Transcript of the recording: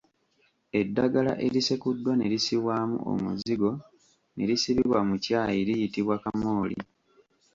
Eddagala erisekuddwa ne lisibwamu omuzigo ne lisibibwa mu kyayi liyitibwa kamooli.